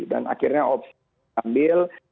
dan akhirnya opsi yang kita ambil